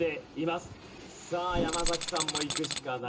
さあ山崎さんもいくしかない。